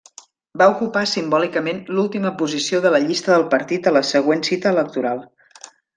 Va ocupar simbòlicament l'última posició de la llista del partit a la següent cita electoral.